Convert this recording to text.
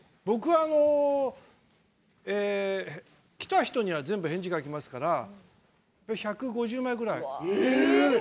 僕は、来た人には全部返事、書きますから１５０枚ぐらい。